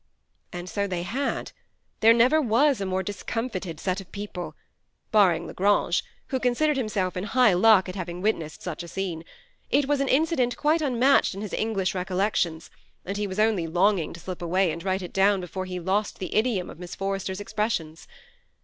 173 And so they had : there never was a more discom* fited set of people, barring La Grange, who considered himself in high lack at haying witnessed such a scene : it was an incident quite unmatched in his English rec ollections, and he was only longing to slip away, and write it down before he lost " the idiom " of Miss For rester's expressions.